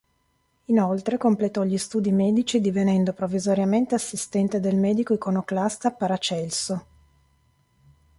Inoltre, completò gli studi medici divenendo provvisoriamente assistente del medico iconoclasta Paracelso.